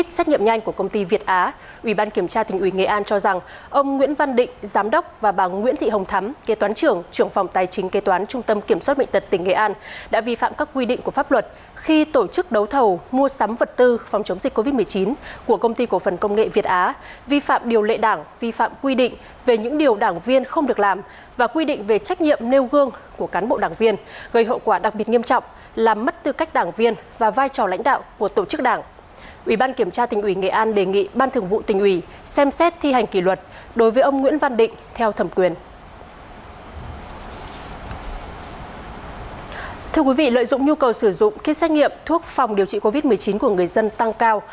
thưa quý vị lợi dụng nhu cầu sử dụng kết xét nghiệm thuốc phòng điều trị covid một mươi chín của người dân tăng cao